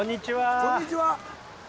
こんにちは。